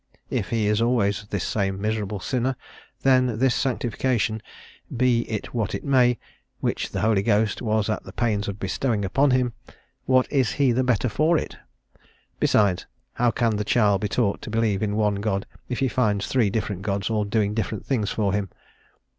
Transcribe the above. If he is always this same miserable sinner, then this sanctification, be it what it may, which the Holy Ghost was at the pains of bestowing upon him, what is he the better for it?" Besides, how can the child be taught to believe in one God if he finds three different gods all doing different things for him?